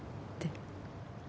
って。